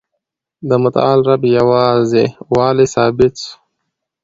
د متعال رب یوازي والی ثابت سو.